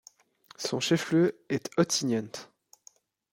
Son chef-lieu est Ontinyent.